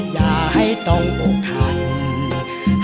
อย่าให้ต้องปกครรภ์